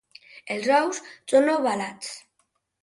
Els ous són ovalats.